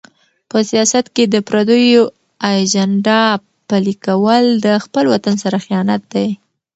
په سیاست کې د پردیو ایجنډا پلي کول د خپل وطن سره خیانت دی.